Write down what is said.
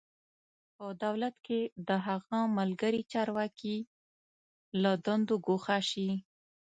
په دولت کې د هغه ملګري چارواکي له دندو ګوښه شي.